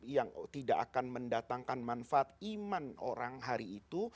yang tidak akan mendatangkan manfaat iman orang hari itu